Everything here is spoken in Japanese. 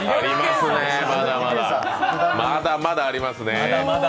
まだまだあります。